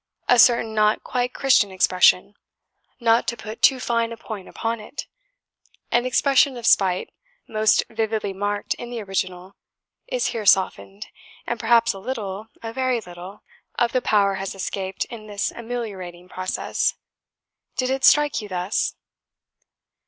A certain not quite Christian expression 'not to put too fine a point upon it' an expression of spite, most vividly marked in the original, is here softened, and perhaps a little a very little of the power has escaped in this ameliorating process. Did it strike you thus?"